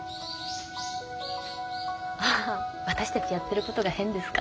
ああ私たちやってることが変ですか？